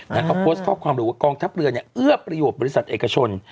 แล้วก็โพสต์ข้อความหรือว่ากองทัพเรือเนี่ยเอื้อประโยชน์บริษัทเอกชน